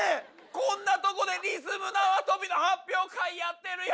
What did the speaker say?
こんなとこでリズム縄跳びの発表会やってるよ。